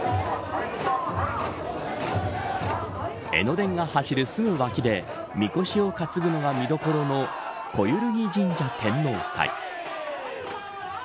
江ノ電が走るすぐ脇でみこしを担ぐのが見どころの小動神社天王祭。